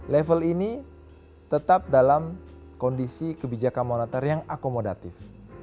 level ini tetap dalam kondisi kebijakan moneter yang akomodatif